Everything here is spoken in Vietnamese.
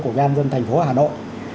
của gian dân thành phố hà nội